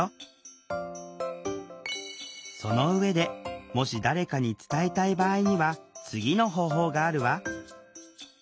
その上でもし誰かに伝えたい場合には次の方法があるわ。